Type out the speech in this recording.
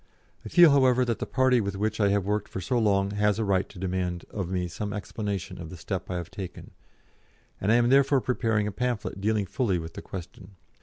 I feel, however, that the party with which I have worked for so long has a right to demand of me some explanation of the step I have taken, and I am therefore preparing a pamphlet dealing fully with the question.